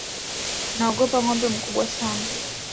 Naogopa ng'ombe mkubwa sana.